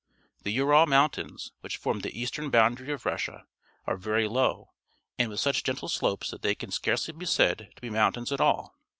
The Ural Mountains, which form the eastern boundarj^ of Russia, are very low and with such gentle slopes that they can scarcely be said to be mountains at all.